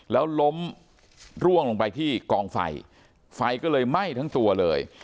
แล้วล้มร่วงลงไปที่กองไฟไฟก็เลยไหม้ทั้งตัวเลย